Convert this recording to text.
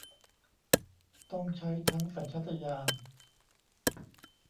ต้องใช้ทั้งสัญชาตญาณ